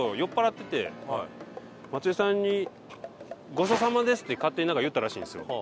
松井さんに「ごちそうさまです！」って勝手に言ったらしいんですよ。